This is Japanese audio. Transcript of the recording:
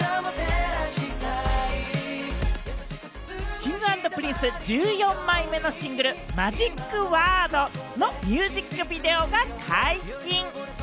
Ｋｉｎｇ＆Ｐｒｉｎｃｅ１４枚目のシングル『ＭＡＧＩＣＷＯＲＤ』のミュージックビデオが解禁。